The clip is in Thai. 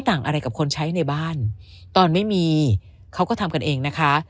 ต่างอะไรกับคนใช้ในบ้านตอนไม่มีเขาก็ทำกันเองนะคะ